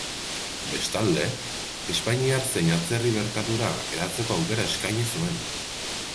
Bestalde, espainiar zein atzerri merkatura hedatzeko aukera eskaini zuen.